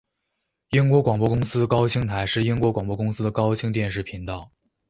英国广播公司高清台是英国广播公司的高清电视频道。